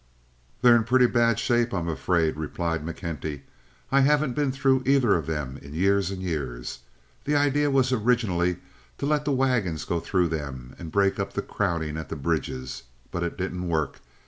"They're in pretty bad shape, I'm afraid," replied McKenty. "I haven't been through either of them in years and years. The idea was originally to let the wagons go through them and break up the crowding at the bridges. But it didn't work.